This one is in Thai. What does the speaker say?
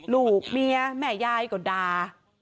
ลูกเมียแม่ยายก็ด่า